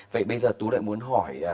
vậy bây giờ tú lại muốn hỏi